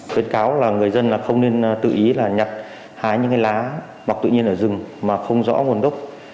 xét cáo là người dân không nên tự ý là hắn hés lá tại nơi nằm và tự nhiên ở rừng mà không rõ nguồn độc